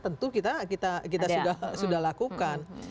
tentu kita sudah lakukan